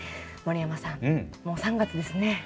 森山さんもう３月ですね。